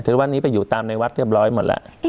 ถึงวันนี้ไปอยู่ตามในวัดเรียบร้อยหมดแล้ว